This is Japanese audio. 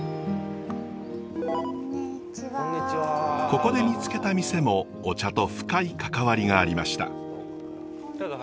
ここで見つけた店もお茶と深い関わりがありました。